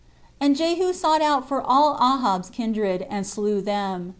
And Jehu sought out for all Ahab's kindred, and slew them.